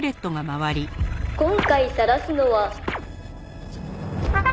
「今回さらすのは」